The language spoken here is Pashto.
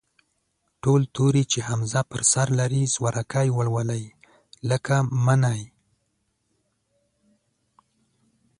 ټول توري چې همزه پر سر لري، زورکی ولولئ، لکه: مٔنی.